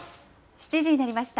７時になりました。